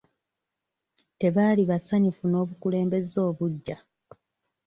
Tebaali basanyufu n'obukulembeze obuggya.